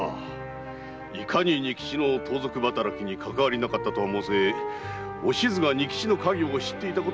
いかに仁吉の盗賊働きにかかわりなかったとは申せお静が仁吉の稼業を知っていたことは確か。